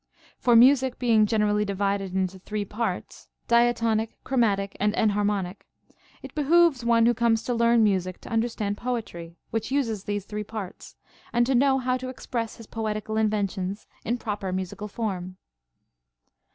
For music being gen erally divided into three parts, diatonic, chromatic, and enharnionie, it behooΛ^es one who comes to learn music to understand poetry, which uses these three parts, and to know how to express his poetical inventions in proper musical form.